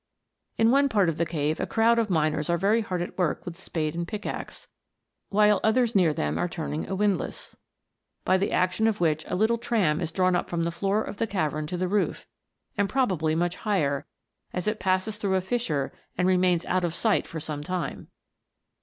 In one part of the cave a crowd of miners are very hard at work with spade and pickaxe, while others near them are turning a windlass, by the action of which a little tram is drawn up from the floor of the cavern to the roof, and probably much higher, as it passes through a fissure and remains out of sight for some time.